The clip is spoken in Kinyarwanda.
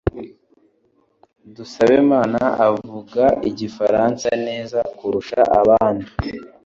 Dusabemana avuga igifaransa neza kurusha abandi.